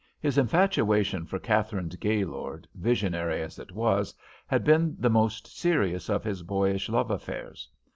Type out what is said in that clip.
His infatuation for Katharine Gaylord, visionary as it was, had been the most serious of his boyish love affairs.